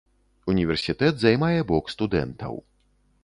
Універсітэт займае бок студэнтаў.